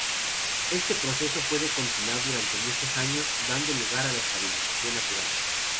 Este proceso puede continuar durante muchos años dando lugar a una estabilización natural.